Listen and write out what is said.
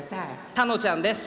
たのちゃんです！